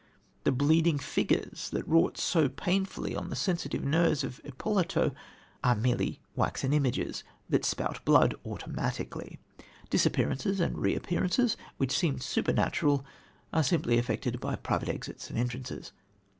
The bleeding figures that wrought so painfully on the sensitive nerves of Ippolito are merely waxen images that spout blood automatically. Disappearances and reappearances, which seemed supernatural, are simply effected by private exits and entrances.